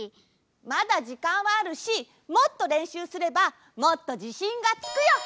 まだじかんはあるしもっとれんしゅうすればもっとじしんがつくよ！